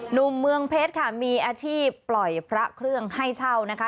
เมืองเพชรค่ะมีอาชีพปล่อยพระเครื่องให้เช่านะคะ